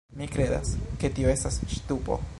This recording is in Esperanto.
Mi kredas, ke tio estas ŝtupo